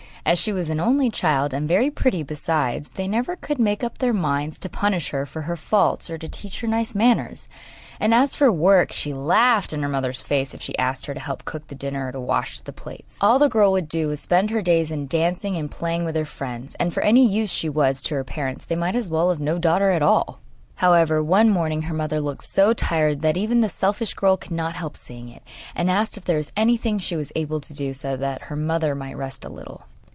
As she was an only child, and very pretty besides, they never could make up their minds to punish her for her faults or to teach her nice manners; and as for work she laughed in her mother's face if she asked her to help cook the dinner or to wash the plates. All the girl would do was to spend her days in dancing and playing with her friends; and for any use she was to her parents they might as well have no daughter at all. However, one morning her mother looked so tired that even the selfish girl could not help seeing it, and asked if there was anything she was able to do, so that her mother might rest a little.